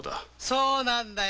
そうなんだ。